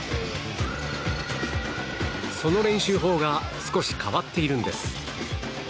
その練習法が少し変わっているんです。